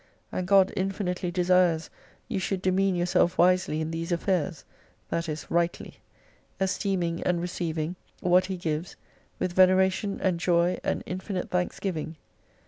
And God infinitely desires you should demean yourself wisely in these affairs, that is, rightly. Esteeming and receiving what 272 He gives, with veneration and joy and infinite thanks giving.